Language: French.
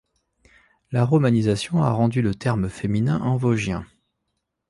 La romanisation a rendu le terme féminin en vosgien.